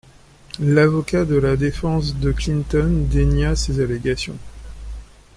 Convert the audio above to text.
L'avocat de la défense de Clinton dénia ces allégations.